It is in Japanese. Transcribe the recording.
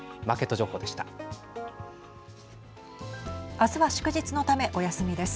明日は祝日のためお休みです。